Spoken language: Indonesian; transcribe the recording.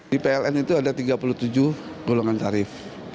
di pln itu ada tiga puluh tujuh golongan tarif